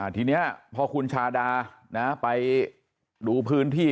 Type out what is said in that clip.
ทีนี้พอคุณชาดาไปดูพื้นที่